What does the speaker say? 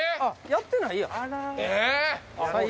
⁉やってないやん。